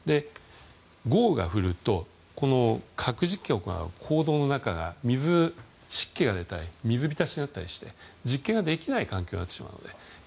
豪雨が降ると核実験を行う坑道の中が湿気が出たり水浸しになったりして実験ができない環境になってしまうので。